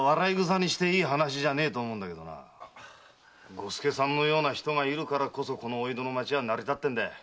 伍助さんのような人がいるからお江戸の町は成り立ってるんだ。